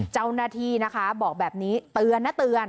เจ้าหน้าที่นะคะบอกแบบนี้เตือนนะเตือน